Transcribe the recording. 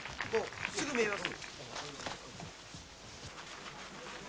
すぐみえます。